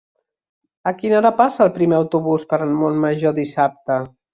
A quina hora passa el primer autobús per Montmajor dissabte?